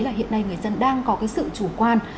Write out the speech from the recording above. là hiện nay người dân đang có cái sự chủ quan